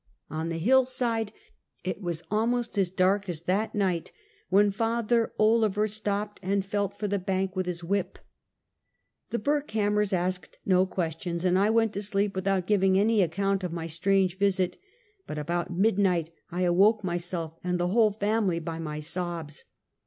On the hillside it was almost as dark as that night when Father Olever stopped and felt for the bank with his whip. The Burkhamraers asked no questions, and I went to sleep without giving any account of my strange visit, but about midnight I awoke myself and the whole family by my sobs.